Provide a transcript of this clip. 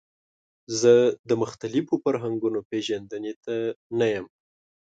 زه د مختلفو فرهنګونو پیژندنې ته نه یم.